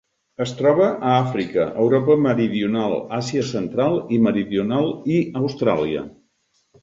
Es troba a Àfrica, Europa meridional, Àsia central i meridional i Austràlia.